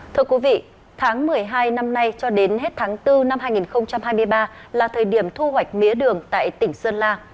thưa quý vị tháng một mươi hai năm nay cho đến hết tháng bốn năm hai nghìn hai mươi ba là thời điểm thu hoạch mía đường tại tỉnh sơn la